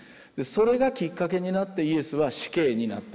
それがきっかけになってイエスは死刑になっていく。